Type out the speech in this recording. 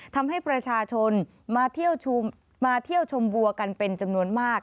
ทำให้ประชาชนมาเที่ยวชมบัวกันเป็นจำนวนมาก